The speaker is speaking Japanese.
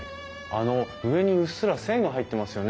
あの上にうっすら線が入ってますよね。